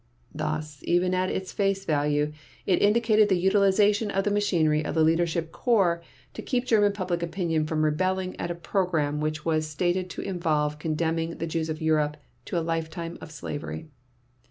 Thus, even at its face value, it indicated the utilization of the machinery of the Leadership Corps to keep German public opinion from rebelling at a program which was stated to involve condemning the Jews of Europe to a lifetime of slavery.